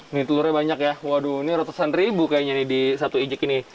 nih telurnya banyak ya waduh ini ratusan ribu kayaknya nih di satu ijik ini